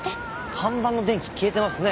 看板の電気消えてますね。